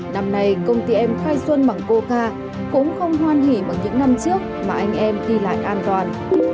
năm nay công ty em khai xuân bằng cô ca cũng không hoan hỉ bằng những năm trước mà anh em đi lại an toàn